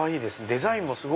デザインも。